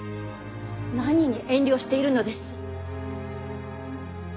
何に遠慮しているのです。